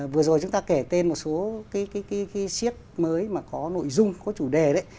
vừa rồi chúng ta kể tên một số cái siếc mới mà có nội dung có chủ đề đấy